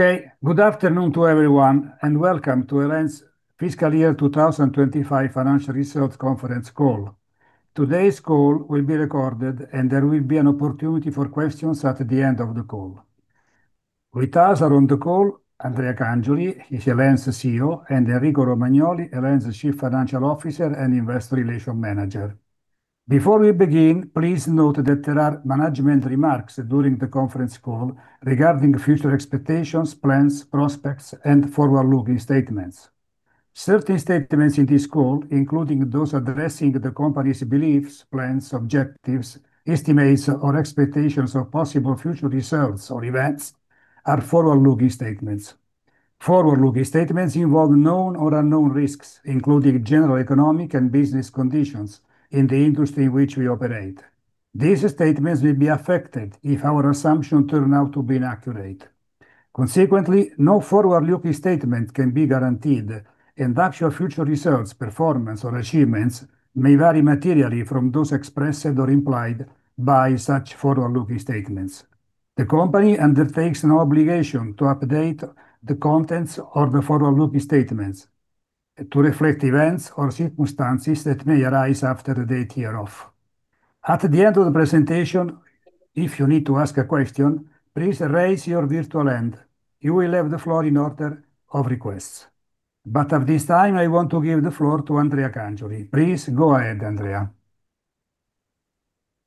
Okay. Good afternoon to everyone, and welcome to El.En.'s Fiscal Year 2025 Financial Results Conference Call. Today's call will be recorded, and there will be an opportunity for questions at the end of the call. With us are on the call, Andrea Cangioli, he's El.En.'s CEO, and Enrico Romagnoli, El.En.'s Chief Financial Officer and Investor Relation Manager. Before we begin, please note that there are management remarks during the conference call regarding future expectations, plans, prospects, and forward-looking statements. Certain statements in this call, including those addressing the company's beliefs, plans, objectives, estimates, or expectations of possible future results or events are forward-looking statements. Forward-looking statements involve known or unknown risks, including general economic and business conditions in the industry in which we operate. These statements will be affected if our assumption turn out to be inaccurate. Consequently, no forward-looking statement can be guaranteed, and actual future results, performance, or achievements may vary materially from those expressed or implied by such forward-looking statements. The company undertakes no obligation to update the contents of the forward-looking statements to reflect events or circumstances that may arise after the date hereof. At the end of the presentation, if you need to ask a question, please raise your virtual hand. You will have the floor in order of requests. At this time, I want to give the floor to Andrea Cangioli. Please go ahead, Andrea.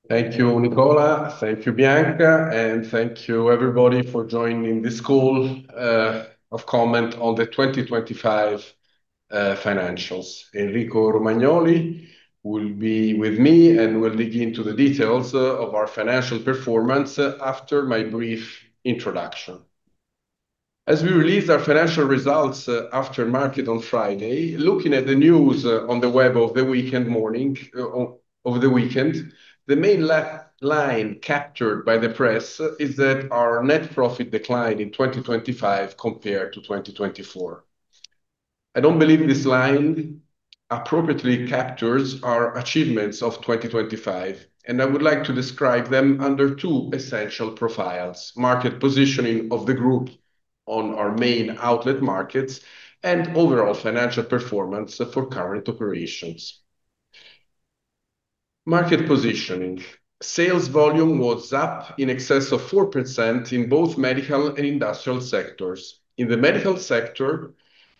Thank you, Nicola. Thank you, Bianca, and thank you everybody for joining this call of comment on the 2025 financials. Enrico Romagnoli will be with me and will dig into the details of our financial performance after my brief introduction. As we released our financial results after market on Friday, looking at the news on the web over the weekend, the main line captured by the press is that our net profit declined in 2025 compared to 2024. I don't believe this line appropriately captures our achievements of 2025, and I would like to describe them under two essential profiles: market positioning of the group on our main outlet markets and overall financial performance for current operations. Market positioning. Sales volume was up in excess of 4% in both medical and industrial sectors. In the medical sector,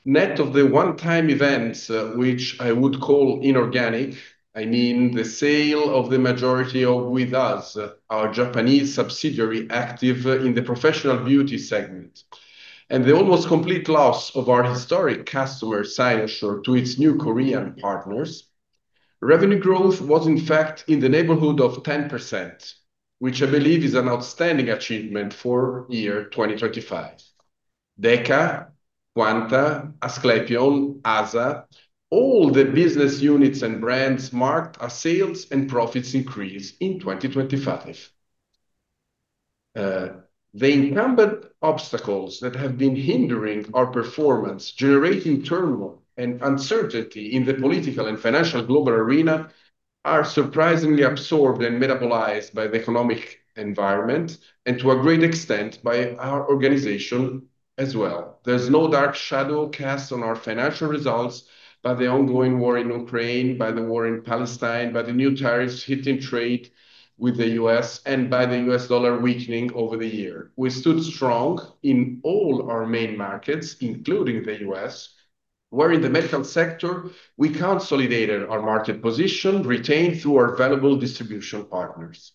net of the one-time events, which I would call inorganic, I mean the sale of the majority of With Us Co. Ltd, our Japanese subsidiary active in the Professional Beauty segment, and the almost complete loss of our historic customer, Cynosure, to its new Korean partners. Revenue growth was, in fact, in the neighborhood of 10%, which I believe is an outstanding achievement for year 2025. DEKA, Quanta, Asclepion, ASA, all the business units and brands marked our sales and profits increase in 2025. The incumbent obstacles that have been hindering our performance, generating turmoil and uncertainty in the political and financial global arena, are surprisingly absorbed and metabolized by the economic environment and, to a great extent, by our organization as well. There's no dark shadow cast on our financial results by the ongoing war in Ukraine, by the war in Palestine, by the new tariffs hitting trade with the U.S., and by the U.S. dollar weakening over the year. We stood strong in all our main markets, including the U.S., where in the medical sector, we consolidated our market position, retained through our valuable distribution partners.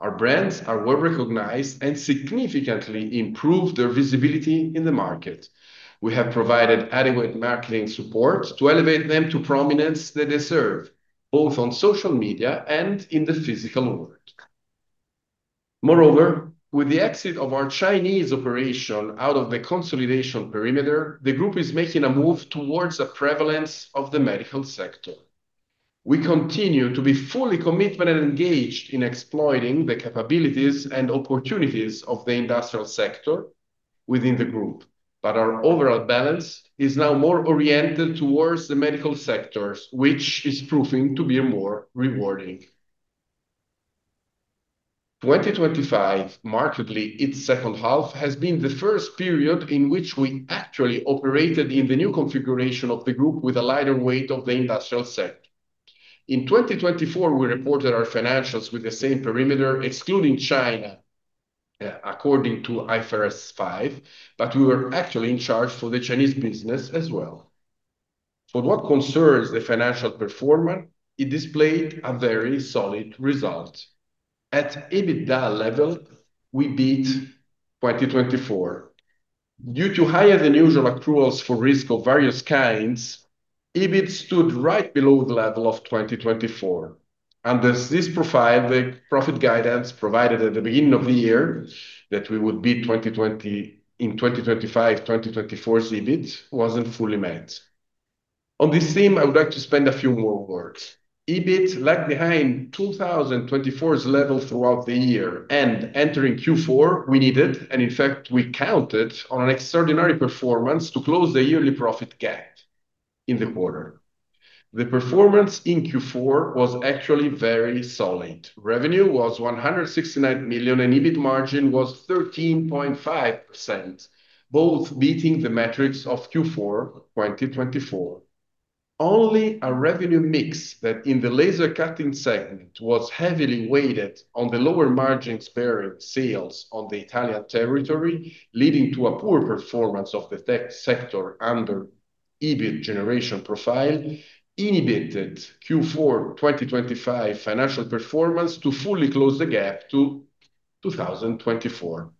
Our brands are well-recognized and significantly improved their visibility in the market. We have provided adequate marketing support to elevate them to prominence they deserve, both on social media and in the physical world. Moreover, with the exit of our Chinese operation out of the consolidation perimeter, the group is making a move towards a prevalence of the medical sector. We continue to be fully committed and engaged in exploiting the capabilities and opportunities of the industrial sector within the group. Our overall balance is now more oriented towards the medical sectors, which is proving to be more rewarding. 2025, markedly its second half, has been the first period in which we actually operated in the new configuration of the group with a lighter weight of the industrial sector. In 2024, we reported our financials with the same perimeter, excluding China, according to IFRS 5, but we were actually in charge for the Chinese business as well. For what concerns the financial performance, it displayed a very solid result. At EBITDA level, we beat 2024. Due to higher than usual accruals for risk of various kinds, EBIT stood right below the level of 2024. Under this profile, the profit guidance provided at the beginning of the year that we would beat 2024's EBIT in 2025 wasn't fully met. On this theme, I would like to spend a few more words. EBIT lagged behind 2024's level throughout the year, and entering Q4, we needed, and in fact we counted on an extraordinary performance to close the yearly profit gap. In the quarter. The performance in Q4 was actually very solid. Revenue was 169 million, and EBIT margin was 13.5%, both beating the metrics of Q4 2024. Only a revenue mix that in the Laser Cutting segment was heavily weighted on the lower margin spare parts sales on the Italian territory, leading to a poor performance of the tech sector under EBIT generation profile, inhibited Q4 2025 financial performance to fully close the gap to 2024.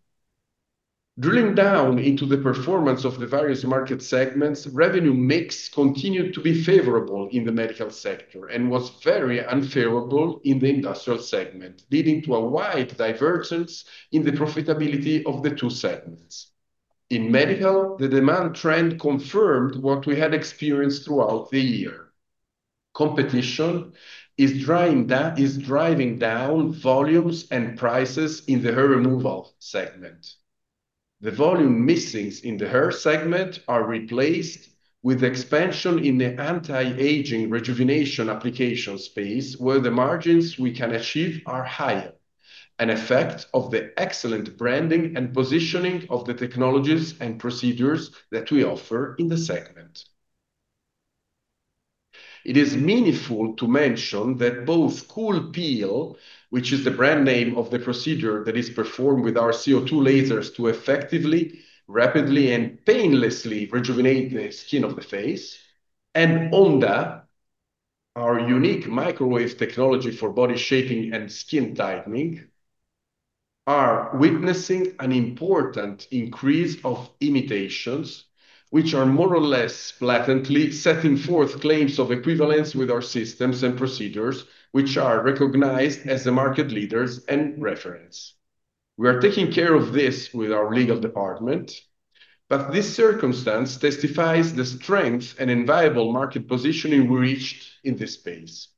Drilling down into the performance of the Various Market segments, revenue mix continued to be favorable in the medical sector and was very unfavorable in the Industrial segment, leading to a wide divergence in the profitability of the two segments. In medical, the demand trend confirmed what we had experienced throughout the year. Competition is driving down volumes and prices in the Hair Removal segment. The volume misses in the Hair segment are replaced with expansion in the anti-aging rejuvenation application space, where the margins we can achieve are higher, an effect of the excellent branding and positioning of the technologies and procedures that we offer in the segment. It is meaningful to mention that both CoolPeel, which is the brand name of the procedure that is performed with our CO2 lasers to effectively, rapidly, and painlessly rejuvenate the skin of the face, and ONDA, our unique microwave technology for body shaping and skin tightening, are witnessing an important increase of imitations, which are more or less blatantly setting forth claims of equivalence with our systems and procedures, which are recognized as the market leaders and reference. We are taking care of this with our legal department, but this circumstance testifies the strength and enviable market positioning we reached in this space.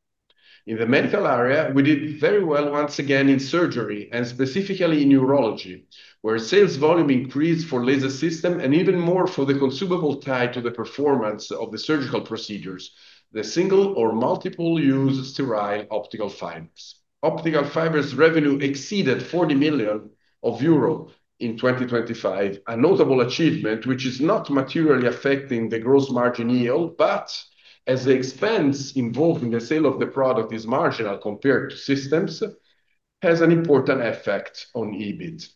In the Medical area, we did very well once again in surgery, and specifically in urology, where sales volume increased for laser system and even more for the consumable tied to the performance of the surgical procedures, the single or multiple-use sterile optical fibers. Optical fibers revenue exceeded 40 million euro in 2025, a notable achievement, which is not materially affecting the gross margin yield, but as the expense involving the sale of the product is marginal compared to systems, has an important effect on EBIT.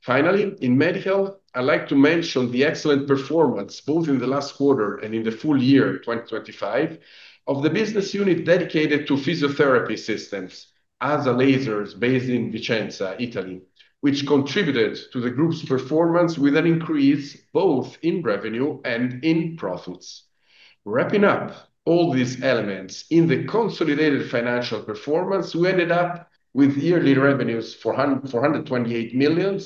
Finally, in Medical, I'd like to mention the excellent performance, both in the last quarter and in the full year 2025, of the business unit dedicated to physiotherapy systems, ASAlaser, based in Vicenza, Italy, which contributed to the group's performance with an increase both in revenue and in profits. Wrapping up all these elements, in the consolidated financial performance, we ended up with yearly revenues 428 million,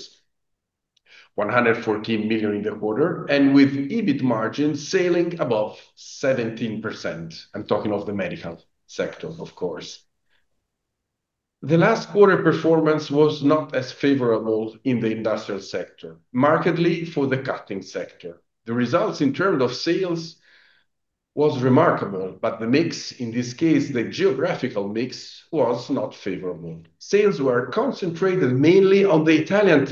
114 million in the quarter, and with EBIT margins sailing above 17%. I'm talking of the medical sector, of course. The last quarter performance was not as favorable in the industrial sector, markedly for the cutting sector. The results in terms of sales was remarkable, but the mix, in this case the geographical mix, was not favorable. Sales were concentrated mainly on the Italian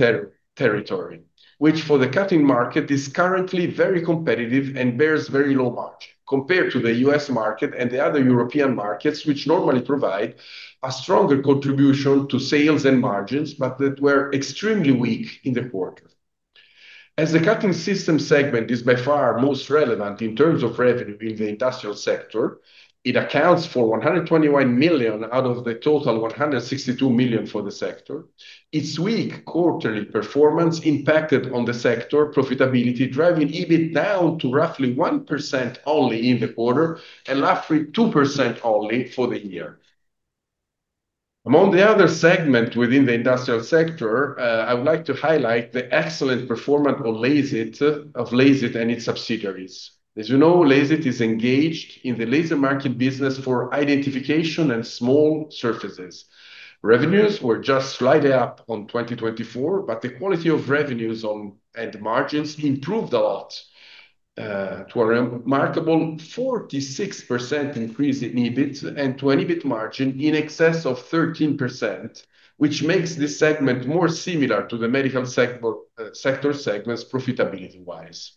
territory, which for the cutting market is currently very competitive and bears very low margin compared to the US market and the other European markets, which normally provide a stronger contribution to sales and margins, but that were extremely weak in the quarter. As the Cutting System segment is by far most relevant in terms of revenue in the industrial sector, it accounts for 121 million out of the total 162 million for the sector. Its weak quarterly performance impacted on the sector profitability, driving EBIT down to roughly 1% only in the quarter and roughly 2% only for the year. Among the other segment within the industrial sector, I would like to highlight the excellent performance of LASIT and its subsidiaries. As you know, LASIT is engaged in the laser marking business for identification and small surfaces. Revenues were just slightly up on 2024, but the quality of revenues and margins improved a lot, to a remarkable 46% increase in EBIT and to an EBIT margin in excess of 13%, which makes this segment more similar to the Medical Sector segment's profitability-wise.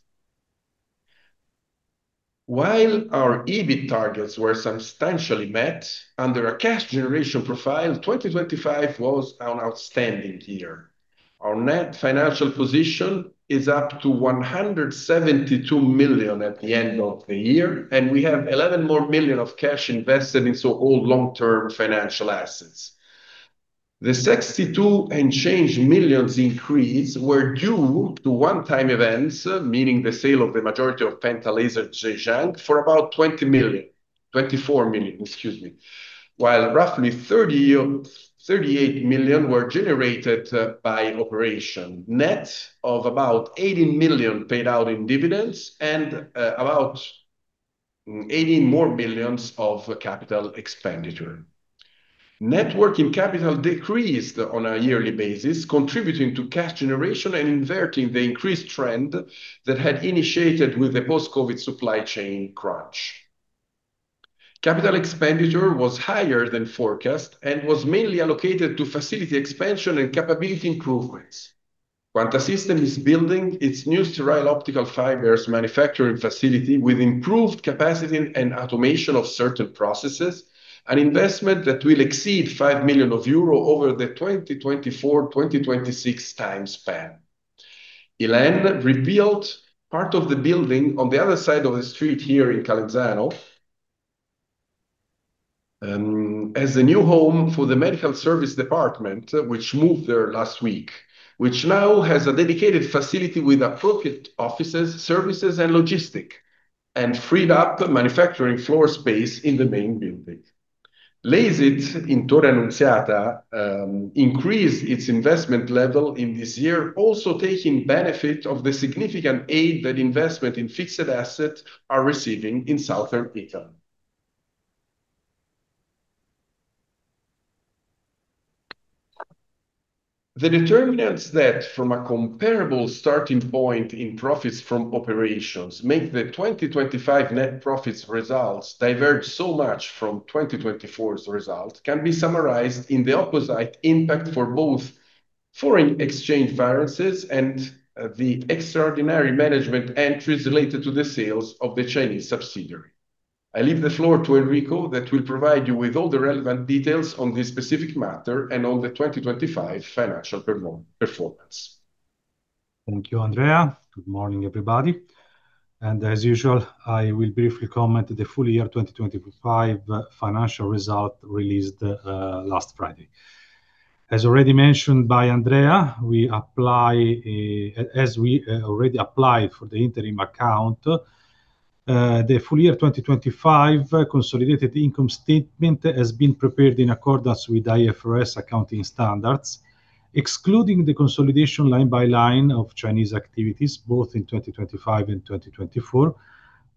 While our EBIT targets were substantially met, under a cash generation profile, 2025 was an outstanding year. Our net financial position is up to 172 million at the end of the year, and we have 11 million more of cash invested in so-called long-term financial assets. The 62 and change million increase were due to one-time events, meaning the sale of the majority of Penta Laser (Zhejiang) for about 24 million, excuse me, while roughly 30 million or 38 million were generated by operation, net of about 80 million paid out in dividends and about 80 million more of capital expenditure. Net working capital decreased on a yearly basis, contributing to cash generation and inverting the increased trend that had initiated with the post-COVID supply chain crunch. Capital expenditure was higher than forecast and was mainly allocated to facility expansion and capability improvements. Quanta System is building its new sterile optical fibers manufacturing facility with improved capacity and automation of certain processes, an investment that will exceed 5 million euro over the 2024-2026 time span. El.En. rebuilt part of the building on the other side of the street here in Calenzano, as a new home for the Medical Service Department, which moved there last week, which now has a dedicated facility with appropriate offices, services, and logistics, and freed up the manufacturing floor space in the main building. LASIT in Torre Annunziata increased its investment level in this year, also taking benefit of the significant aid that investment in fixed assets are receiving in southern Italy. The determinants that from a comparable starting point in profits from operations make the 2025 net profits results diverge so much from 2024's result can be summarized in the opposite impact for both foreign exchange variances and the extraordinary management entries related to the sales of the Chinese subsidiary. I leave the floor to Enrico that will provide you with all the relevant details on this specific matter and on the 2025 financial performance. Thank you, Andrea. Good morning, everybody. As usual, I will briefly comment the full year 2025 financial result released last Friday. As already mentioned by Andrea, we already applied for the interim account, the full year 2025 consolidated income statement has been prepared in accordance with IFRS accounting standards, excluding the consolidation line by line of Chinese activities, both in 2025 and 2024,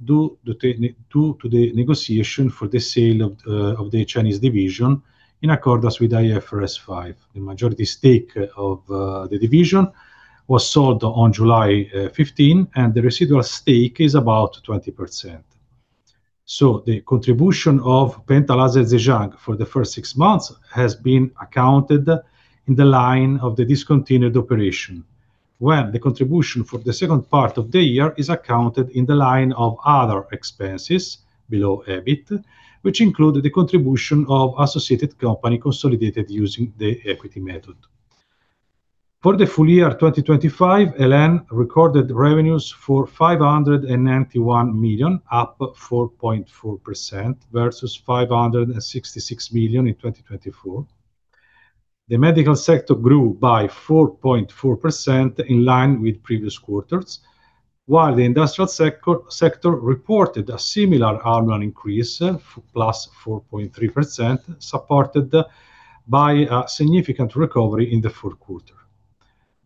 due to the negotiation for the sale of the Chinese division in accordance with IFRS 5. The majority stake of the division was sold on July 15, and the residual stake is about 20%. The contribution of Penta Laser (Zhejiang) for the first six months has been accounted in the line of the discontinued operation, when the contribution for the second part of the year is accounted in the line of other expenses below EBIT, which include the contribution of associated company consolidated using the equity method. For the full year 2025, El.En. recorded revenues of 591 million, up 4.4% versus 566 million in 2024. The medical sector grew by 4.4% in line with previous quarters, while the industrial sector reported a similar annual increase, plus 4.3%, supported by a significant recovery in the fourth quarter.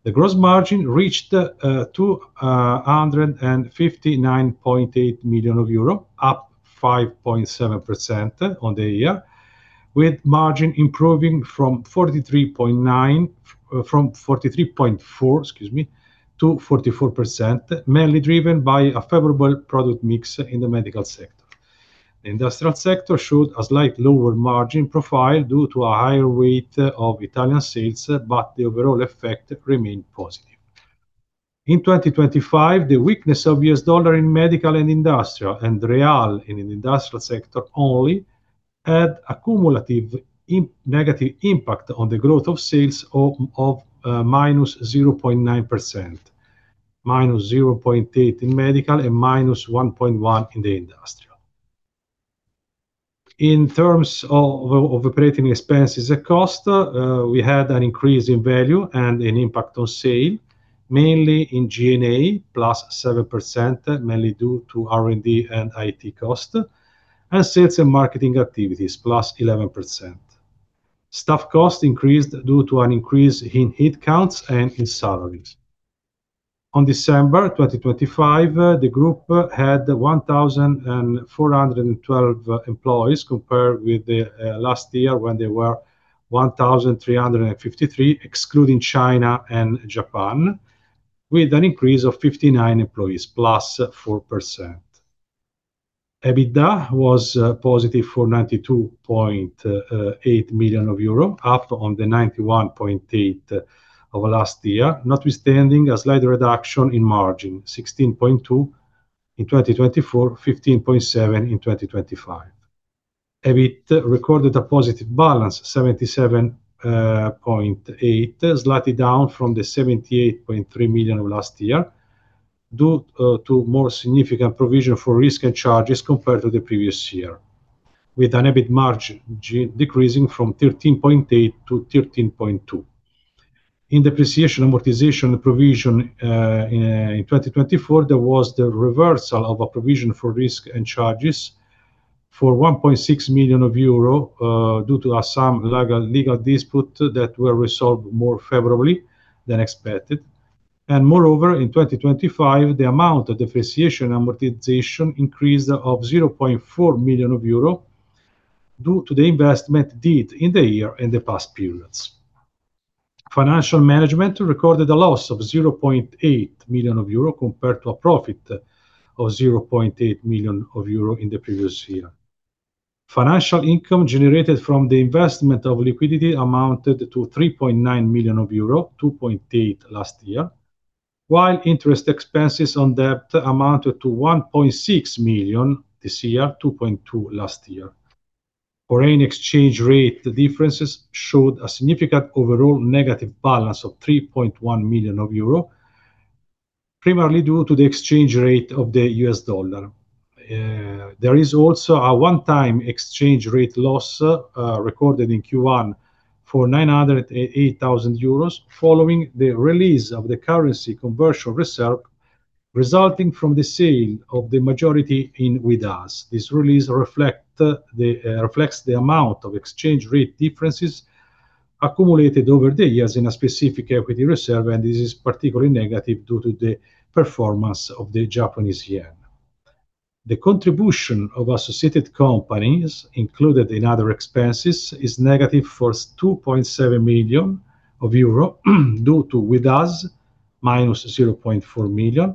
The gross margin reached 259.8 million euro, up 5.7% on the year, with margin improving from 43.4% to 44%, mainly driven by a favorable product mix in the medical sector. The industrial sector showed a slight lower margin profile due to a higher weight of Italian sales, but the overall effect remained positive. In 2025, the weakness of US dollar in Medical and Industrial, and real in industrial sector only, had a cumulative negative impact on the growth of sales minus 0.9%, -0.8% in medical and -1.1% in the industrial. In terms of operating expenses and costs, we had an increase in value and an impact on sales, mainly in G&A, +7%, mainly due to R&D and IT costs, and sales and marketing activities, +11%. Staff costs increased due to an increase in headcounts and in salaries. On December 2025, the group had 1,412 employees, compared with last year when they were 1,353, excluding China and Japan, with an increase of 59 employees, +4%. EBITDA was positive for 92.8 million euro, up on the 91.8 million of last year, notwithstanding a slight reduction in margin, 16.2% in 2024, 15.7% in 2025. EBIT recorded a positive balance of 77.8 million, slightly down from the 78.3 million of last year, due to more significant provision for risk and charges compared to the previous year, with an EBIT margin decreasing from 13.8% to 13.2%. In depreciation, amortization, provision in 2024, there was the reversal of a provision for risk and charges for 1.6 million euro, due to some legal disputes that were resolved more favorably than expected. Moreover, in 2025, the amount of depreciation amortization increased by 0.4 million euro due to the investments made in the year and the past periods. Financial management recorded a loss of 0.8 million euro compared to a profit of 0.8 million euro in the previous year. Financial income generated from the investment of liquidity amounted to 3.9 million euro, euro 2.8 million last year, while interest expenses on debt amounted to 1.6 million this year, 2.2 million last year. Foreign exchange rate differences showed a significant overall negative balance of 3.1 million euro, primarily due to the exchange rate of the US dollar. There is also a one-time exchange rate loss recorded in Q1 for 908,000 euros following the release of the currency translation reserve resulting from the sale of the majority in With Us. This release reflects the amount of exchange rate differences accumulated over the years in a specific equity reserve, and this is particularly negative due to the performance of the Japanese yen. The contribution of associated companies included in other expenses is negative for 2.7 million euro due to With Us, -0.4 million,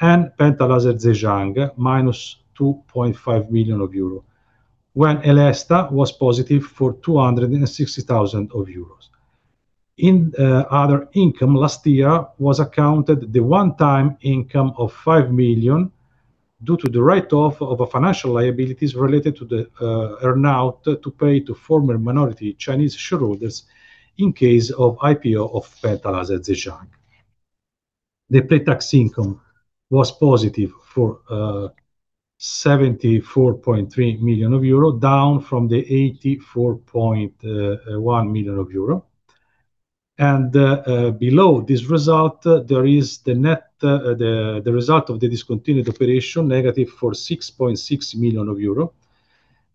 and Penta Laser (Zhejiang), -2.5 million euro. When ELESTA was positive for 260 thousand euros. In other income, last year was accounted the one-time income of 5 million due to the write-off of a financial liabilities related to the earnout to pay to former minority Chinese shareholders in case of IPO of Penta Laser (Zhejiang). The pre-tax income was positive for 74.3 million euro, down from the 84.1 million euro. Below this result, there is the net result of the discontinued operation, negative for 6.6 million euro,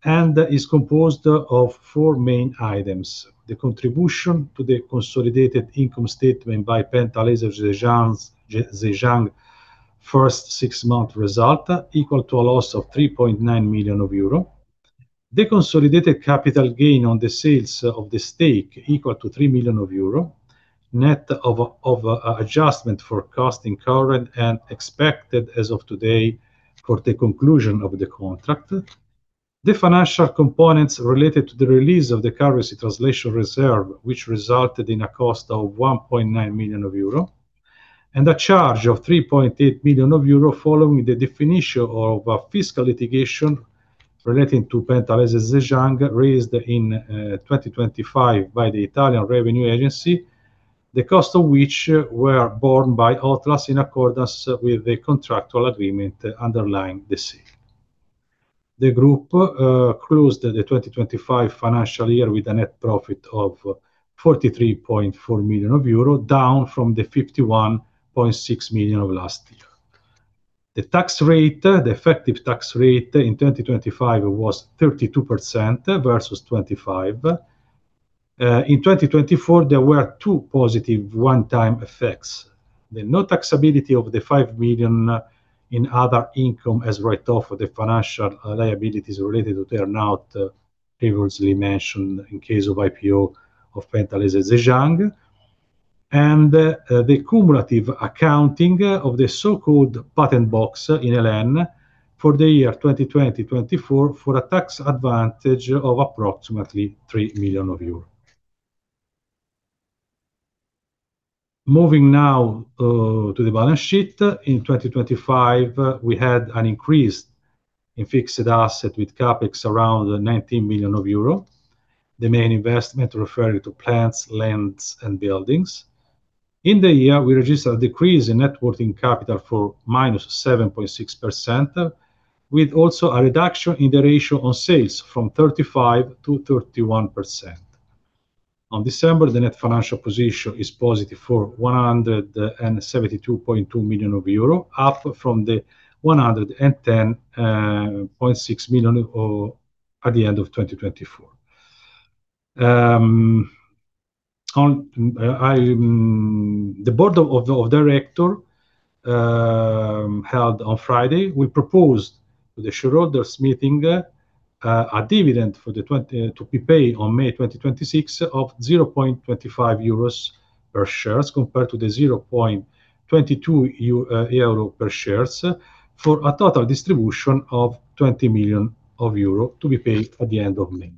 and is composed of four main items. The contribution to the consolidated income statement by Penta Laser (Zhejiang)'s first six-month result, equal to a loss of 3.9 million euro. The consolidated capital gain on the sales of the stake equal to 3 million euro, net of an adjustment for cost incurred and expected as of today for the conclusion of the contract. The financial components related to the release of the currency translation reserve, which resulted in a cost of 1.9 million euro, and a charge of 3.8 million euro following the definition of a fiscal litigation relating to Penta Laser (Zhejiang) raised in 2025 by the Agenzia delle Entrate, the cost of which were borne by OT-LAS in accordance with the contractual agreement underlying the sale. The group closed the 2025 financial year with a net profit of 43.4 million euro, down from the 51.6 million of last year. The tax rate, the effective tax rate in 2025 was 32% versus 25%. In 2024, there were two positive one-time effects. The no taxability of the 5 million in other income as write-off of the financial liabilities related to the earnout previously mentioned in case of IPO of Penta Laser (Zhejiang). The cumulative accounting of the so-called patent box in El.En. For the year 2024 for a tax advantage of approximately EUR 3 million. Moving now to the balance sheet. In 2025, we had an increase in fixed asset with CapEx around 19 million euro. The main investment referring to plants, lands, and buildings. In the year, we registered a decrease in net working capital for -7.6%, with also a reduction in the ratio on sales from 35% to 31%. On December, the net financial position is positive for 172.2 million euro, up from the 110.6 million at the end of 2024. The board of directors held on Friday proposed to the shareholders meeting a dividend to be paid on May 2026 of 0.25 euros per shares compared to the EURO 0.22 per shares, for a total distribution of 20 million euro to be paid at the end of May.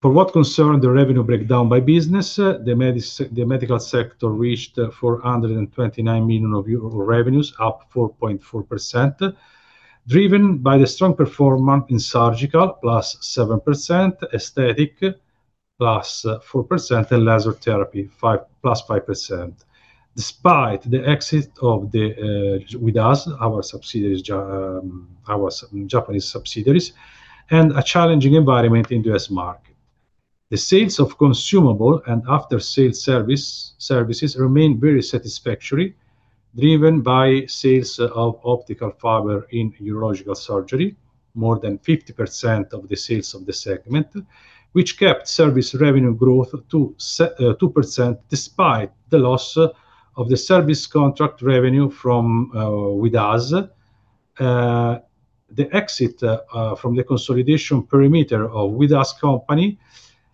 For what concerns the revenue breakdown by business, the medical sector reached 429 million revenues, up 4.4%, driven by the strong performance in Surgical +7%, Aesthetic +4%, and Laser Therapy +5%. Despite the exit of With Us, our Japanese subsidiary, and a challenging environment in the U.S. market. The sales of consumables and after-sale services remained very satisfactory. Driven by sales of optical fiber in urological surgery, more than 50% of the sales of the segment, which kept service revenue growth to 2% despite the loss of the service contract revenue from With Us. The exit from the consolidation perimeter of With Us Co. Ltd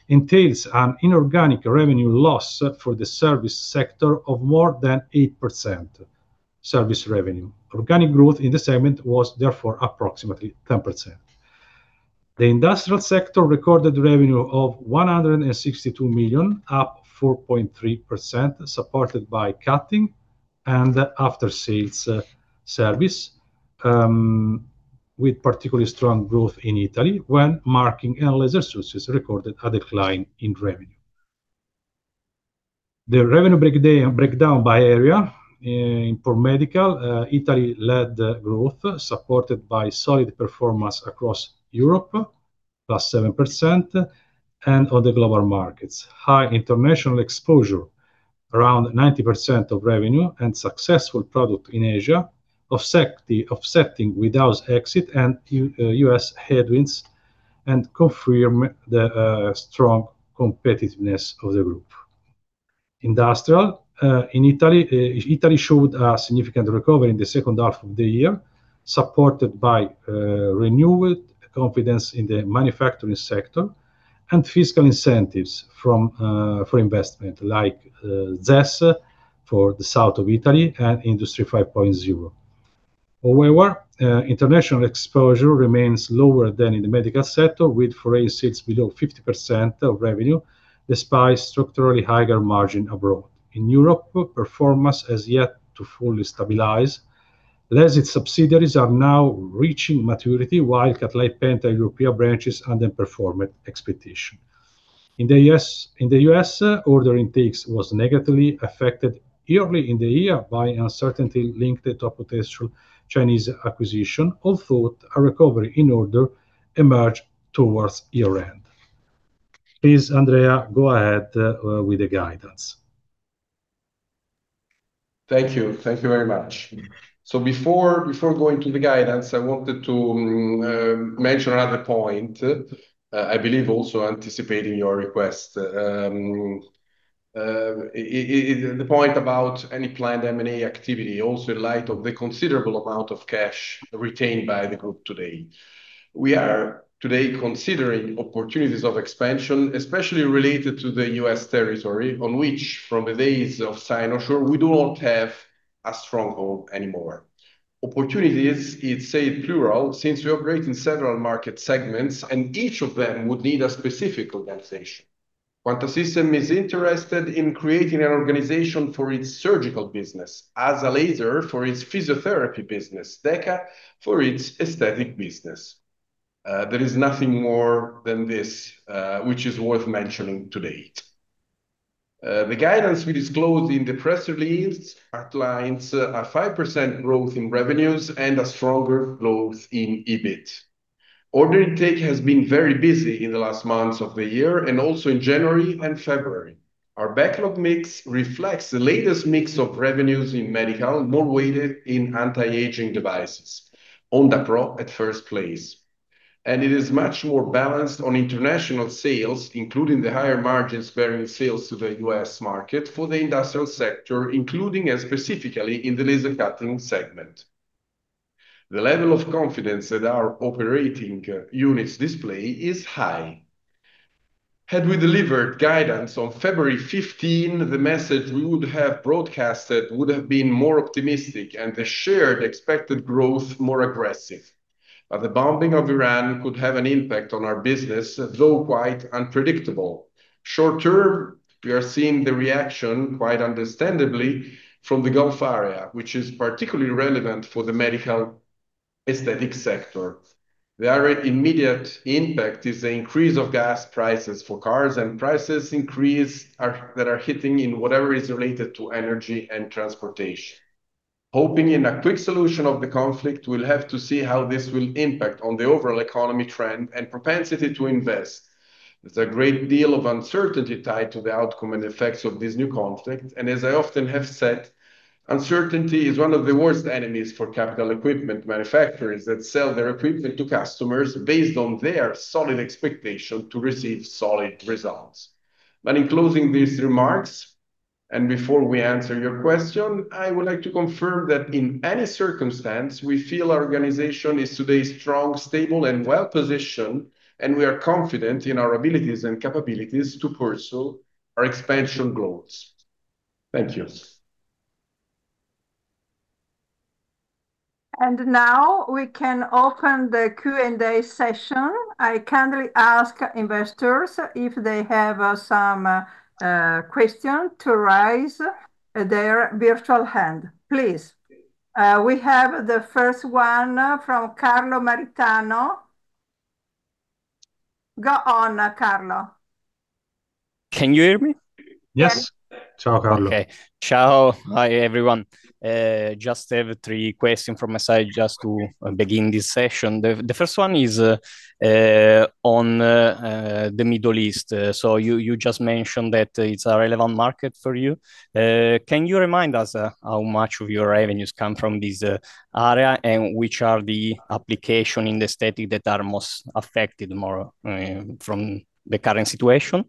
entails an inorganic revenue loss for the service sector of more than 8% service revenue. Organic growth in the segment was therefore approximately 10%. The industrial sector recorded revenue of 162 million, up 4.3%, supported by Cutting and After Sales service, with particularly strong growth in Italy, whereas marking and laser sources recorded a decline in revenue. The revenue breakdown by area in the medical, Italy led the growth, supported by solid performance across Europe, plus 7%, and on the global markets. High international exposure, around 90% of revenue and successful product in Asia, offsetting the With Us Co. Ltd exit and US headwinds and confirm the strong competitiveness of the group. Industrial in Italy showed a significant recovery in the second half of the year, supported by renewed confidence in the manufacturing sector and fiscal incentives for investment like ZES for the south of Italy and Industry 5.0. However, international exposure remains lower than in the medical sector, with foreign sales below 50% of revenue, despite structurally higher margin abroad. In Europe, performance has yet to fully stabilize, as its subsidiaries are now reaching maturity while certain pan-European branches underperform expectation. In the U.S., order intakes was negatively affected in the year by uncertainty linked to potential Chinese acquisition, although a recovery in order emerged towards year-end. Please, Andrea, go ahead with the guidance. Thank you. Thank you very much. Before going to the guidance, I wanted to mention another point, I believe also anticipating your request. The point about any planned M&A activity, also in light of the considerable amount of cash retained by the group today. We are today considering opportunities of expansion, especially related to the U.S. territory, on which from the days of Cynosure, we do not have a stronghold anymore. Opportunities, it's stayed plural, since we operate in Several Market segments, and each of them would need a specific organization. Quanta System is interested in creating an organization for its surgical business, ASAlaser for its physiotherapy business, DEKA for its aesthetic business. There is nothing more than this, which is worth mentioning to date. The guidance we disclosed in the press release outlines a 5% growth in revenues and a stronger growth in EBIT. Order intake has been very busy in the last months of the year and also in January and February. Our backlog mix reflects the latest mix of revenues in medical, more weighted in anti-aging devices, on the pro at first place. It is much more balanced on international sales, including the higher margins bearing sales to the U.S. market for the industrial sector, including and specifically in the Laser Cutting segment. The level of confidence that our operating units display is high. Had we delivered guidance on February 15, the message we would have broadcasted would have been more optimistic and the shared expected growth more aggressive. The bombing of Iran could have an impact on our business, though quite unpredictable. Short-term, we are seeing the reaction, quite understandably, from the Gulf area, which is particularly relevant for the medical aesthetic sector. The immediate impact is the increase of gas prices for cars, and that are hitting in whatever is related to energy and transportation. Hoping in a quick solution of the conflict, we'll have to see how this will impact on the overall economic trend and propensity to invest. There's a great deal of uncertainty tied to the outcome and effects of this new conflict, and as I often have said, uncertainty is one of the worst enemies for capital equipment manufacturers that sell their equipment to customers based on their solid expectation to receive solid results. In closing these remarks, and before we answer your question, I would like to confirm that in any circumstance, we feel our organization is today strong, stable, and well-positioned, and we are confident in our abilities and capabilities to pursue our expansion goals. Thank you. Now we can open the Q&A session. I kindly ask investors if they have some question to raise their virtual hand, please. We have the first one from Carlo Maritano. Go on, Carlo. Can you hear me? Yes. Yes. Ciao, Carlo. Okay. Ciao. Hi, everyone. Just have three questions from my side just to begin this session. The first one is on the Middle East. You just mentioned that it's a relevant market for you. Can you remind us how much of your revenues come from this area, and which are the applications in the sector that are most affected from the current situation?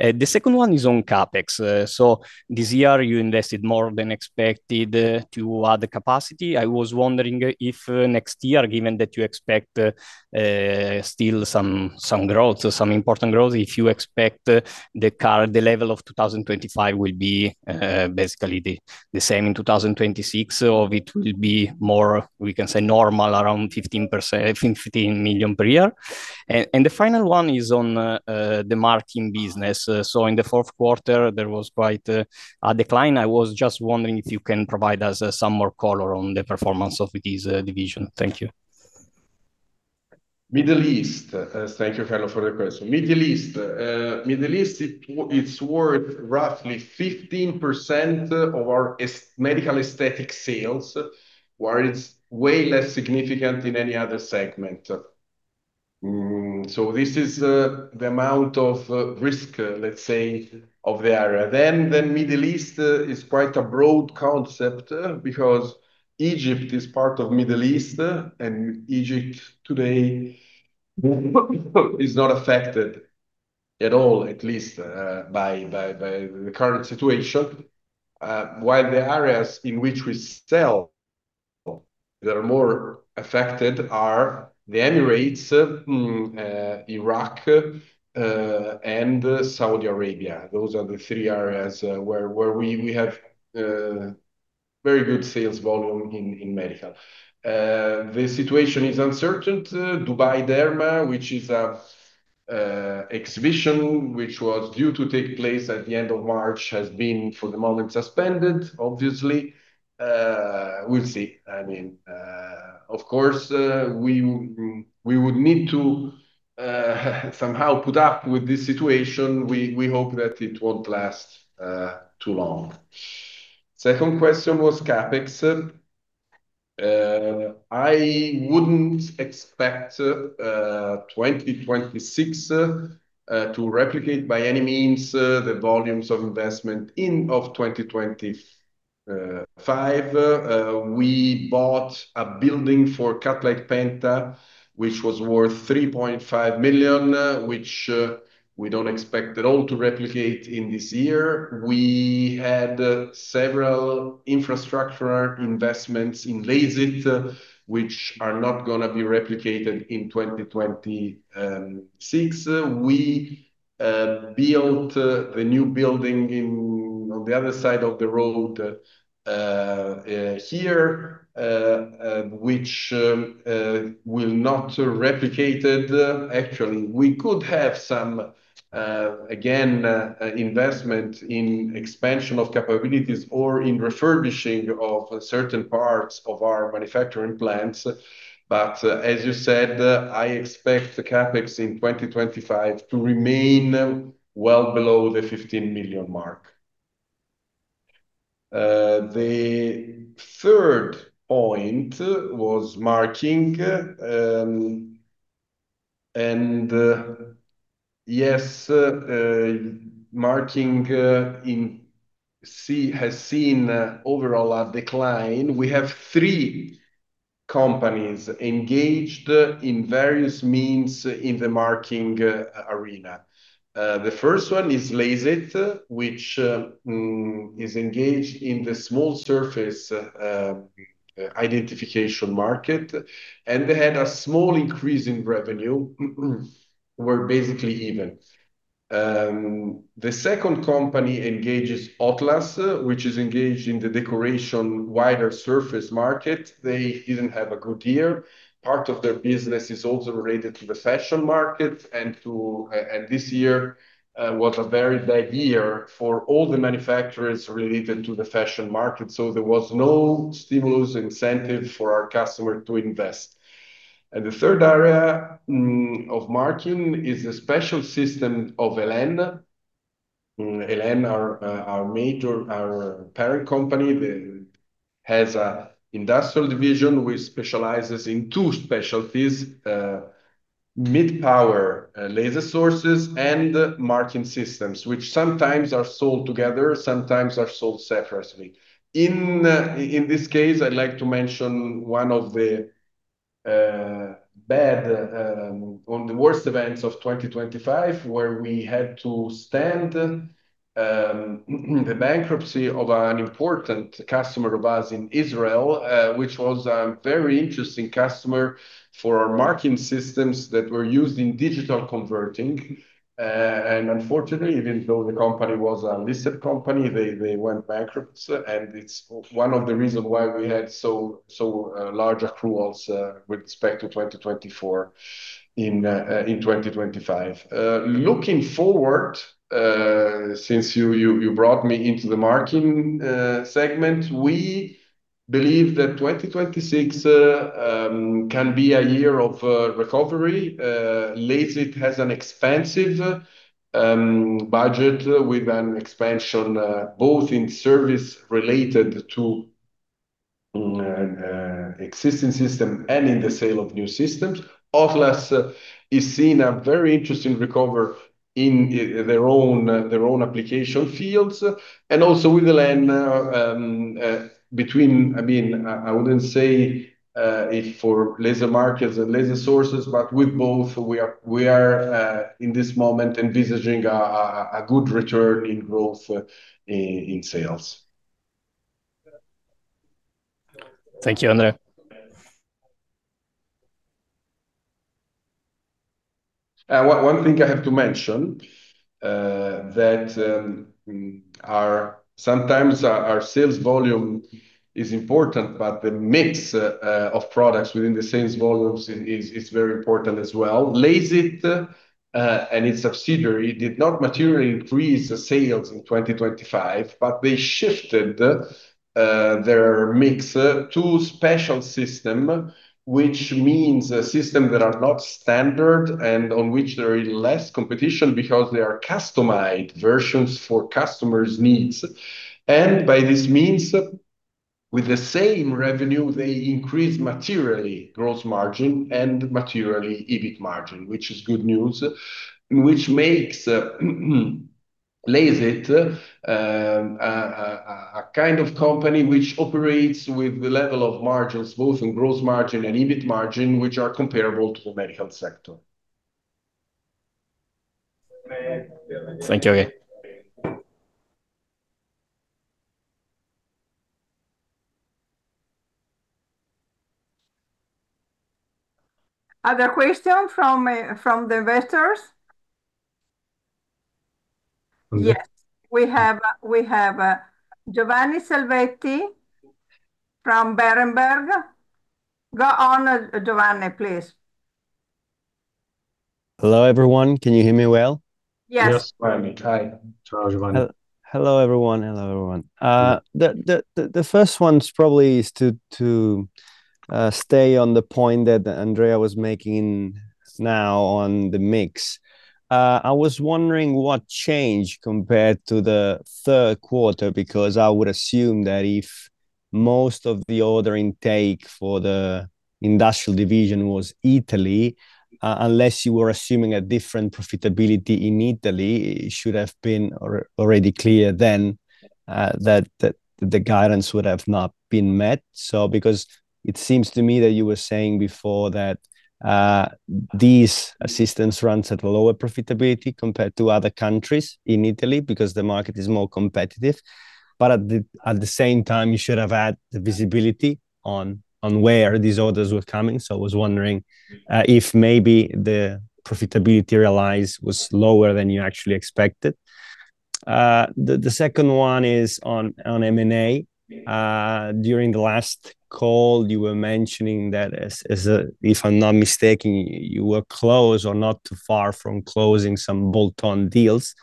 The second one is on CapEx. This year you invested more than expected to add the capacity. I was wondering if next year, given that you expect still some important growth, if you expect the current. The level of 2025 will be basically the same in 2026, or it will be more, we can say, normal, around 15%... 15 million per year? The final one is on the marking business. In the fourth quarter, there was quite a decline. I was just wondering if you can provide us some more color on the performance of this division. Thank you. Thank you, Carlo, for the question. Middle East, it's worth roughly 15% of our Medical Aesthetic sales, where it's way less significant in any other segment. This is the amount of risk, let's say, of the area. The Middle East is quite a broad concept, because Egypt is part of Middle East, and Egypt today is not affected at all, at least by the current situation. While the areas in which we sell that are more affected are the Emirates, Iraq, and Saudi Arabia. Those are the three areas where we have very good sales volume in medical. The situation is uncertain. Dubai Derma, which is an exhibition which was due to take place at the end of March, has been for the moment suspended, obviously. We'll see. I mean, of course, we would need to somehow put up with this situation. We hope that it won't last too long. Second question was CapEx. I wouldn't expect 2026 to replicate by any means the volumes of investment in 2025. We bought a building for Cutlite Penta, which was worth 3.5 million, which we don't expect at all to replicate in this year. We had several infrastructure investments in LASIT, which are not gonna be replicated in 2026. We built the new building in the other side of the road this year will not replicated, Actually, we could have some investment in expansion of capabilities or in refurbishing of certain parts of our manufacturing plants. As you said, I expect the CapEx in 2025 to remain well below the 15 million mark. The third point was marking. Marking industry has seen overall a decline. We have three companies engaged in various means in the marking arena. The first one is LASIT, which is engaged in the small surface identification market, and they had a small increase in revenue. We're basically even. The second company is OT-LAS, which is engaged in the decoration wider surface market. They didn't have a good year. Part of their business is also related to the fashion market and this year was a very bad year for all the manufacturers related to the fashion market, so there was no stimulus incentive for our customer to invest. The third area of marking is a special system of El.En. El.En. is our major parent company. They has an industrial division which specializes in two specialties, mid power laser sources and marking systems, which sometimes are sold together, sometimes are sold separately. In this case, I'd like to mention one of the worst events of 2025, where we had to withstand the bankruptcy of an important customer of ours in Israel, which was a very interesting customer for our marking systems that were used in digital converting. Unfortunately, even though the company was a listed company, they went bankrupt. It's one of the reason why we had so large accruals with respect to 2024 in 2025. Looking forward, since you brought me into the Marking segment, we believe that 2026 can be a year of recovery. LASIT has an extensive budget with an expansion both in service related to existing system and in the sale of new systems. OT-LAS is seeing a very interesting recovery in their own application fields. Also with El.En., I mean, I wouldn't say it's for laser markers and laser sources, but with both we are in this moment envisaging a good return to growth in sales. Thank you, Andrea. One thing I have to mention that sometimes our sales volume is important, but the mix of products within the sales volumes is very important as well. LASIT and its subsidiary did not materially increase the sales in 2025, but they shifted their mix to special system, which means system that are not standard and on which there is less competition because they are customized versions for customers' needs. By this means, with the same revenue, they increase materially gross margin and materially EBIT margin, which is good news, which makes LASIT a kind of company which operates with the level of margins, both in gross margin and EBIT margin, which are comparable to the medical sector. Thank you, again. Other question from the investors? Yes. Yes. We have Giovanni Salvetti from Berenberg. Go on, Giovanni, please. Hello, everyone. Can you hear me well? Yes. Yes. Hi. Ciao, Giovanni. Hello, everyone. The first one is probably to stay on the point that Andrea was making now on the mix. I was wondering what changed compared to the third quarter, because I would assume that if most of the order intake for the Industrial division was Italy, unless you were assuming a different profitability in Italy, it should have been already clear then that the guidance would have not been met. Because it seems to me that you were saying before that these instances run at a lower profitability compared to other countries. In Italy because the market is more competitive. But at the same time, you should have had the visibility on where these orders were coming. I was wondering if maybe the profitability realized was lower than you actually expected. The second one is on M&A. During the last call, you were mentioning that, if I'm not mistaken, you were close or not too far from closing some bolt-on deals,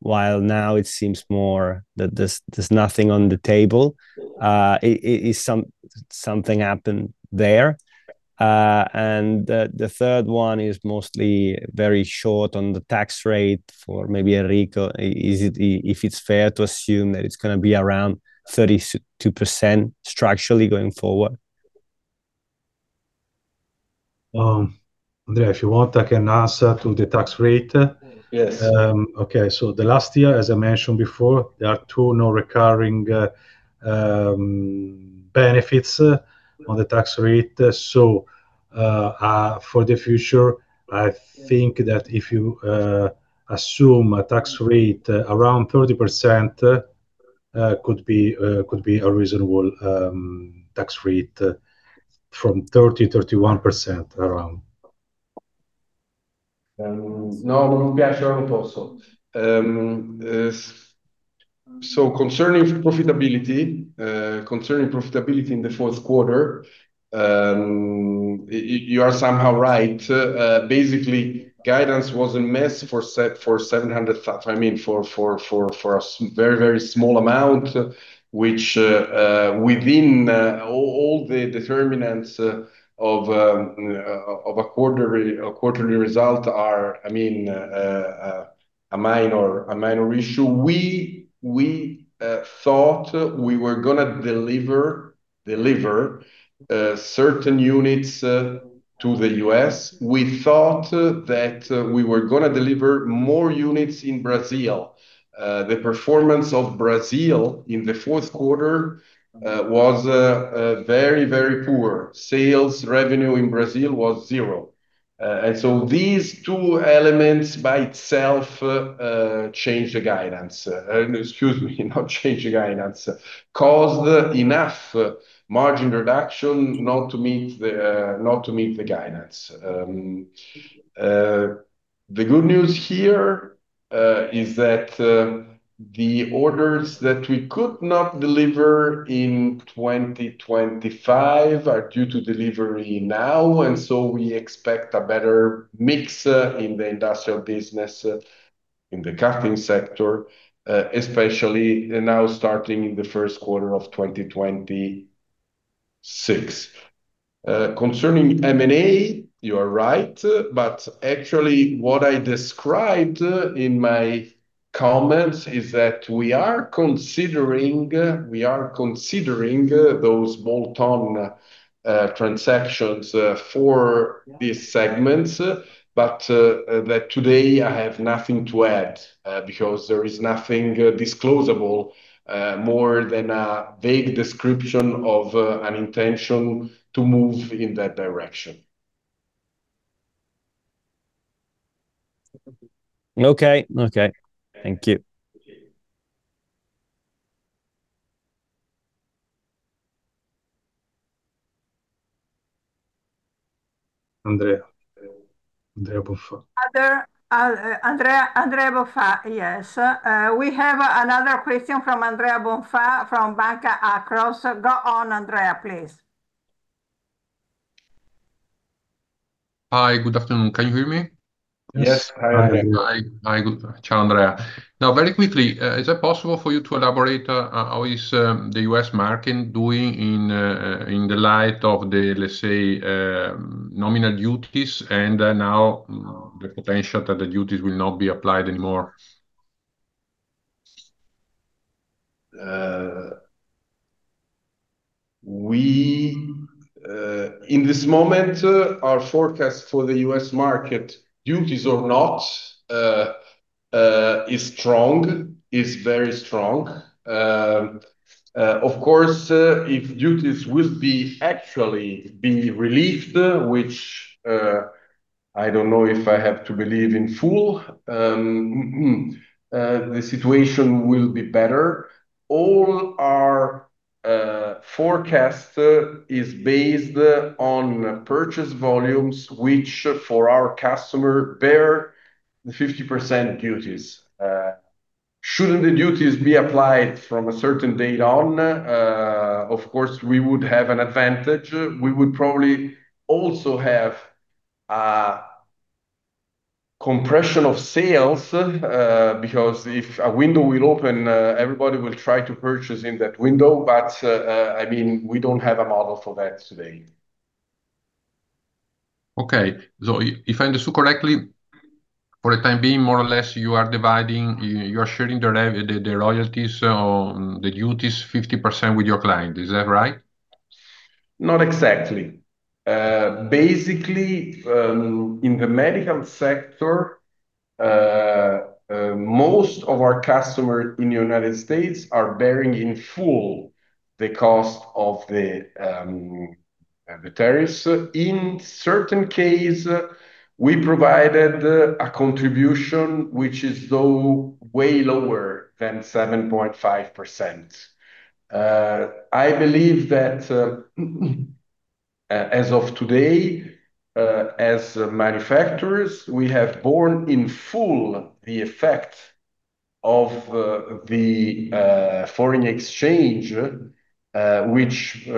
while now it seems more that there's nothing on the table. Is something happened there? The third one is mostly very short on the tax rate for maybe Enrico. Is it fair to assume that it's gonna be around 32% structurally going forward? Andrea, if you want, I can answer to the tax rate. Yes. Last year, as I mentioned before, there are two non-recurring benefits on the tax rate. For the future, I think that if you assume a tax rate around 30%, could be a reasonable tax rate from 30%-31% around. No, we are sure it also. Concerning profitability in the fourth quarter, you are somehow right. Basically, guidance was a mess for a very small amount, which within all the determinants of a quarterly result are, I mean, a minor issue. We thought we were gonna deliver certain units to the U.S. We thought that we were gonna deliver more units in Brazil. The performance of Brazil in the fourth quarter was very poor. Sales revenue in Brazil was zero. These two elements by itself change the guidance. Excuse me, not change the guidance. Caused enough margin reduction not to meet the guidance. The good news here is that the orders that we could not deliver in 2025 are due to delivery now, and so we expect a better mix in the industrial business in the cutting sector, especially now starting in the first quarter of 2026. Concerning M&A, you are right. Actually, what I described in my comments is that we are considering those bolt-on transactions for these segments. That today I have nothing to add because there is nothing disclosable more than a vague description of an intention to move in that direction. Okay. Thank you. Andrea Bonfà. Another, Andrea Bonfà. Yes. We have another question from Andrea Bonfà from Banca Akros. Go on, Andrea, please. Hi. Good afternoon. Can you hear me? Yes. Yes. Hi, Andrea. Hi. Hi. Ciao, Andrea. Now, very quickly, is it possible for you to elaborate how is the U.S. market doing in the light of the, let's say, nominal duties, and then now the potential that the duties will not be applied anymore? In this moment, our forecast for the U.S. market, duties or not, is very strong. Of course, if duties will actually be relieved, which I don't know if I have to believe in full, the situation will be better. All our forecast is based on purchase volumes, which, for our customer, bear the 50% duties. Shouldn't the duties be applied from a certain date on, of course, we would have an advantage. We would probably also have a compression of sales, because if a window will open, everybody will try to purchase in that window. I mean, we don't have a model for that today. Okay. If I understood correctly, for the time being, more or less you are dividing, you are sharing the royalties or the duties 50% with your client. Is that right? Not exactly. Basically, in the medical sector, most of our customer in the United States are bearing in full the cost of the tariffs. In certain case, we provided a contribution which is though way lower than 7.5%. I believe that, as of today, as manufacturers, we have borne in full the effect of the foreign exchange, which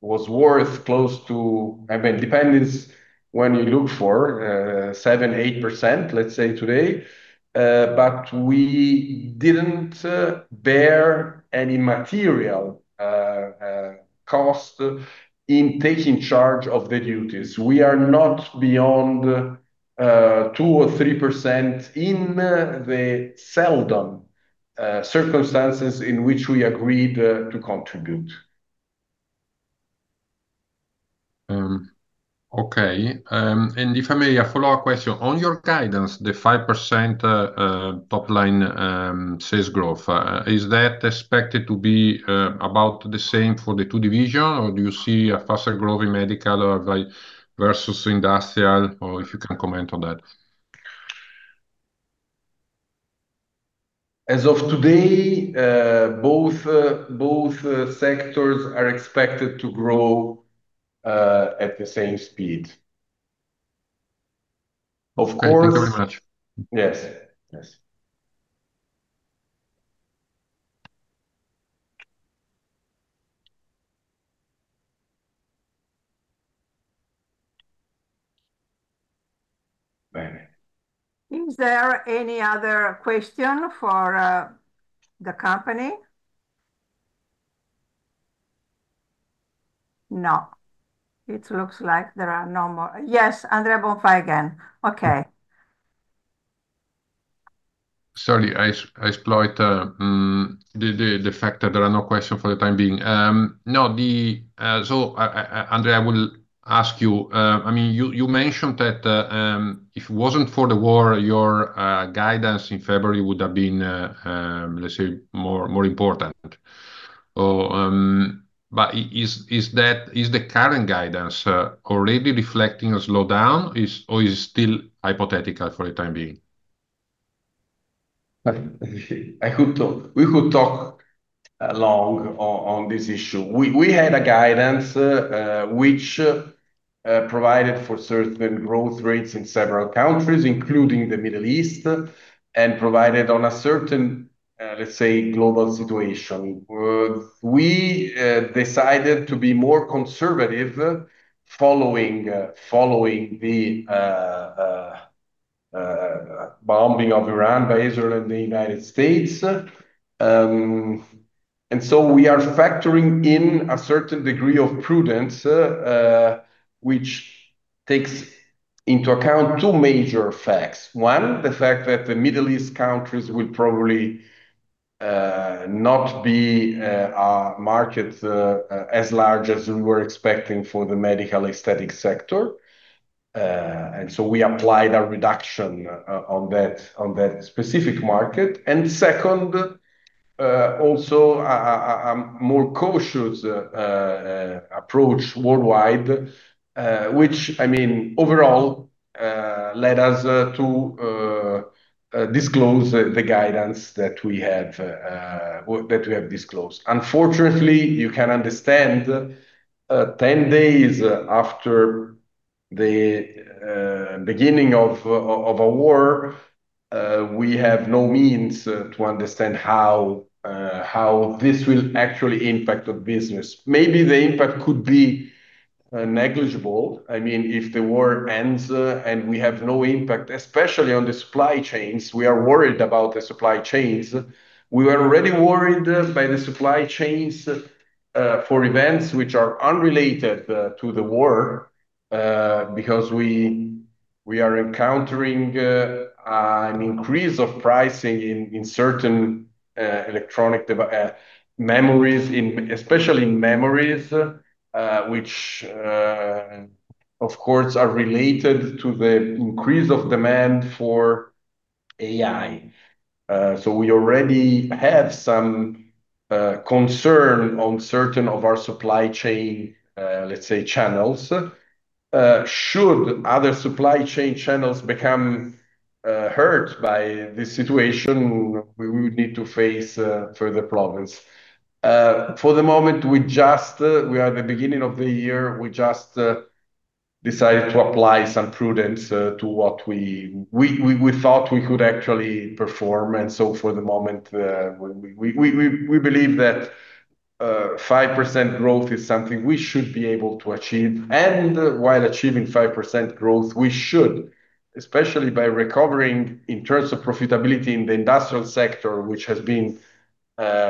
was worth close to I mean depends when you look for 7%-8%, let's say today. But we didn't bear any material cost in taking charge of the duties. We are not beyond 2% or 3% in the seldom circumstances in which we agreed to contribute. Okay. If I may, a follow-up question. On your guidance, the 5%, top line, sales growth, is that expected to be about the same for the two division or do you see a faster growth in Medical or versus Industrial, or if you can comment on that? As of today, both sectors are expected to grow at the same speed. Of course Okay. Thank you very much. Yes. Yes. Is there any other question for, the company? No. It looks like there are no more. Yes, Andrea Bonfà again. Okay. Sorry, I exploit the fact that there are no questions for the time being. Andrea, I will ask you. I mean, you mentioned that if it wasn't for the war, your guidance in February would have been, let's say, more important. But is that? Is the current guidance already reflecting a slowdown, or is it still hypothetical for the time being? We could talk long on this issue. We had a guidance which provided for certain growth rates in several countries, including the Middle East, and provided on a certain, let's say global situation. We decided to be more conservative following the bombing of Iran by Israel and the United States. We are factoring in a certain degree of prudence which takes into account two major facts. One, the fact that the Middle East countries will probably not be a market as large as we were expecting for the medical aesthetic sector. We applied a reduction on that specific market. Second, also a more cautious approach worldwide, which, I mean, overall, led us to disclose the guidance that we have disclosed. Unfortunately, you can understand, 10 days after the beginning of a war, we have no means to understand how this will actually impact the business. Maybe the impact could be negligible. I mean, if the war ends and we have no impact, especially on the supply chains. We are worried about the supply chains. We were already worried by the supply chains for events which are unrelated to the war, because we are encountering an increase of pricing in certain electronic memories in... Especially in memories, which, of course are related to the increase of demand for AI. We already have some concern on certain of our supply chain, let's say channels. Should other supply chain channels become hurt by the situation, we would need to face further problems. For the moment, we just we are the beginning of the year. We just decided to apply some prudence to what we thought we could actually perform. For the moment, we believe that 5% growth is something we should be able to achieve. While achieving 5% growth, we should, especially by recovering in terms of profitability in the industrial sector which has been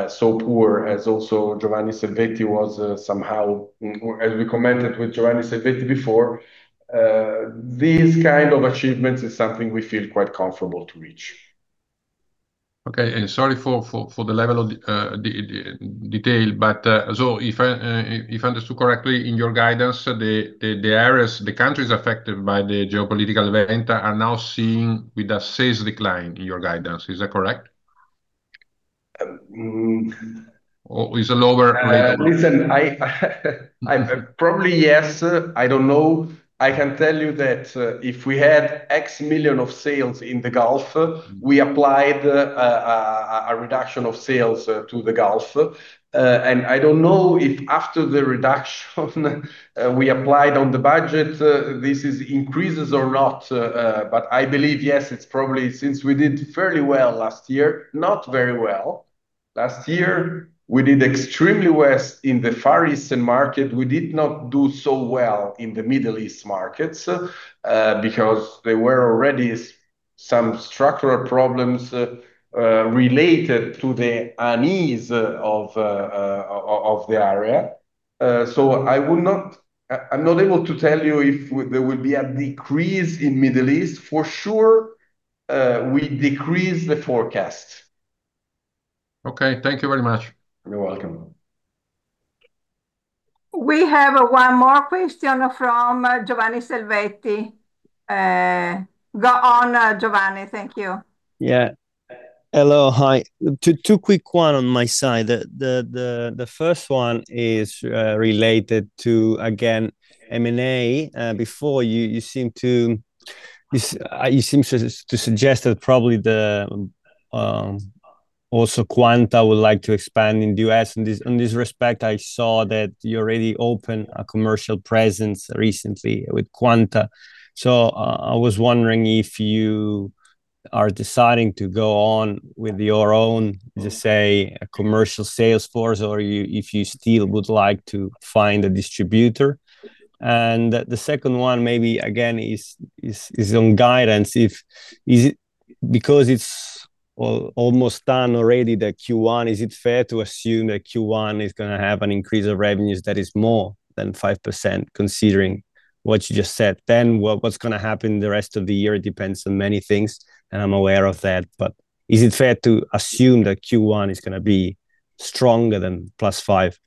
so poor as also Giovanni Salvetti was somehow or as we commented with Giovanni Salvetti before. These kind of achievements is something we feel quite comfortable to reach. Okay. Sorry for the level of detail. If I understood correctly, in your guidance, the areas, the countries affected by the geopolitical event are now seeing with a sales decline in your guidance. Is that correct? Um- Is it lower rate? Listen, I'm probably yes. I don't know. I can tell you that if we had EUR X million of sales in the Gulf, we applied a reduction of sales to the Gulf. I don't know if after the reduction we applied on the budget this is increases or not, but I believe yes, it's probably since we did fairly well last year, not very well. Last year, we did extremely worse in the Far Eastern market. We did not do so well in the Middle East markets because there were already some structural problems related to the unease of the area. I'm not able to tell you if there will be a decrease in Middle East. For sure, we decrease the forecast. Okay. Thank you very much. You're welcome. We have one more question from Giovanni Salvetti. Go on, Giovanni. Thank you. Yeah. Hello. Hi. Two quick ones on my side. The first one is related to again, M&A. Before you seem to suggest that probably also Quanta would like to expand in the US. In this respect, I saw that you already opened a commercial presence recently with Quanta. So, I was wondering if you are deciding to go on with your own, just say, a commercial sales force or you, if you still would like to find a distributor. The second one maybe again is on guidance. Is it because it's almost done already, the Q1, is it fair to assume that Q1 is gonna have an increase of revenues that is more than 5%, considering what you just said? What's gonna happen the rest of the year depends on many things, and I'm aware of that. Is it fair to assume that Q1 is gonna be stronger than +5%?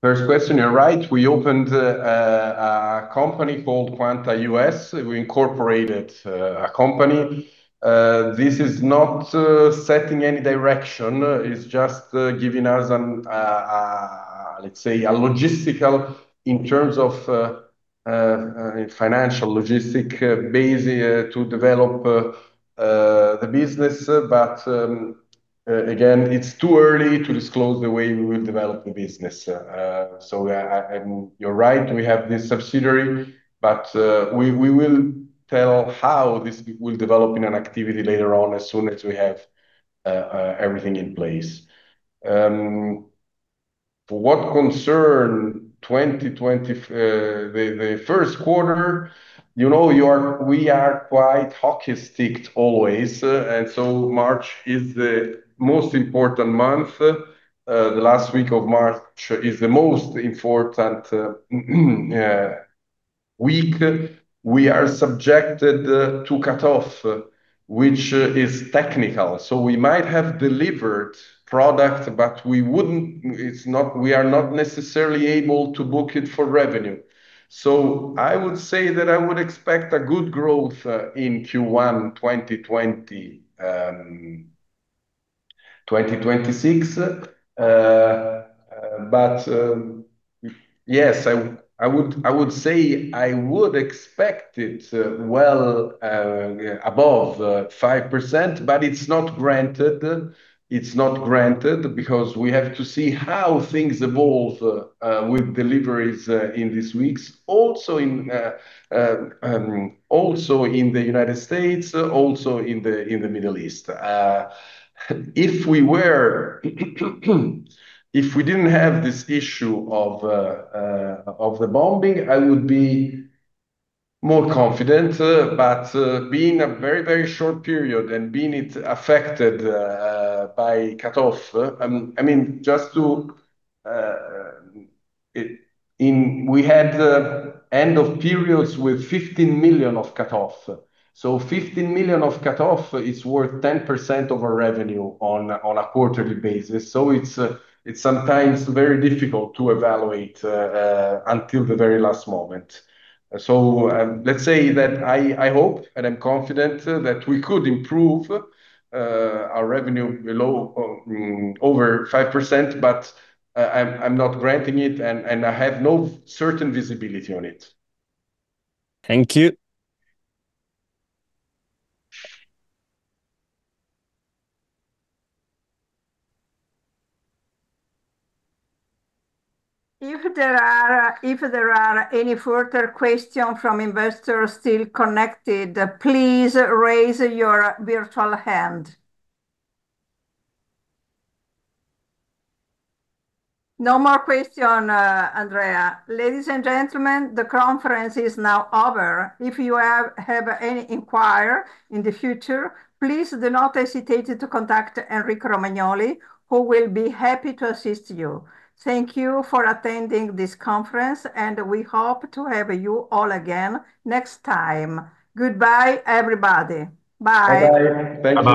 First question, you're right. We opened a company called Quanta US. We incorporated a company. This is not setting any direction. It's just giving us, let's say, a logistical in terms of a financial logistic base to develop the business. Again, it's too early to disclose the way we will develop the business. You're right, we have this subsidiary, but we will tell how this will develop in an activity later on as soon as we have everything in place. For what concerns 2020, the first quarter, you know, we are quite hockey sticked always. March is the most important month. The last week of March is the most important week. We are subjected to cutoff, which is technical. We might have delivered product, but we are not necessarily able to book it for revenue. I would say that I would expect a good growth in Q1 2026. But yes, I would expect it well above 5%, but it's not granted. It's not granted because we have to see how things evolve with deliveries in these weeks. Also in the United States, also in the Middle East. If we didn't have this issue of the bombing, I would be more confident. Being a very short period and it being affected by cutoff, I mean, we had the end of periods with 15 million of cutoff. 15 million of cutoff is worth 10% of our revenue on a quarterly basis. It's sometimes very difficult to evaluate until the very last moment. Let's say that I hope and I'm confident that we could improve our revenue by over 5%, but I'm not guaranteeing it and I have no certain visibility on it. Thank you. If there are any further questions from investors still connected, please raise your virtual hand. No more questions, Andrea. Ladies and gentlemen, the conference is now over. If you have any inquiries in the future, please do not hesitate to contact Enrico Romagnoli, who will be happy to assist you. Thank you for attending this conference, and we hope to have you all again next time. Goodbye, everybody. Bye. Bye-bye. Thank you.